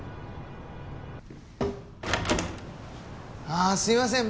ああすいません。